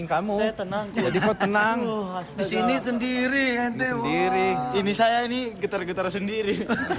ini saya ini getar getar sendiri